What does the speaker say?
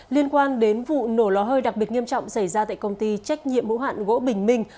liên quan đến vụ nổ lò hơi đặc biệt nghiêm trọng xảy ra tại công ty trách nhiệm hữu hạn gỗ bình minh